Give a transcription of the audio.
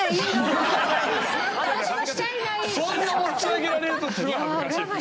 そんな持ち上げられるとすごい恥ずかしいです。